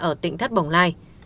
ở tỉnh thất bồng lai